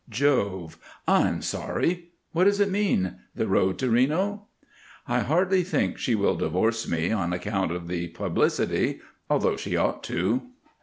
_ Jove! I'm sorry. What does it mean the road to Reno?" "I hardly think she will divorce me, on account of the publicity; although she ought to."